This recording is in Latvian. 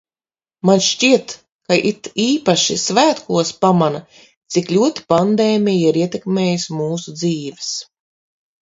Man šķiet, ka it īpaši svētkos pamana, cik ļoti pandēmija ir ietekmējusi mūsu dzīves.